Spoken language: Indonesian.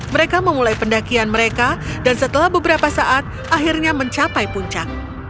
mereka memulai pendakian mereka dan setelah beberapa saat akhirnya mencapai puncak